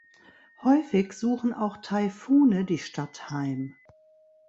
Häufig suchen auch Taifune die Stadt heim.